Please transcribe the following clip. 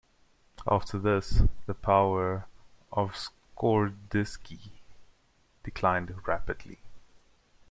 After this, the power of the Scordisci declined rapidly.